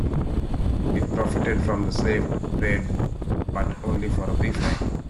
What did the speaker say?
It profited from the slave trade but only for a brief time.